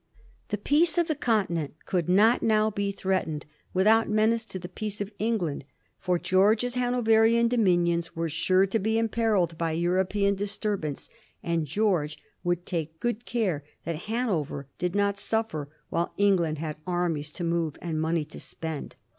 The peace of the Con tinent could not now be threatened without menace to the peace of England, for George's Hanoverian dominions were sure to be imperilled by European disturbance, and Greorge would take good care that Hanover did not suffer while England had armies to move and money to spend.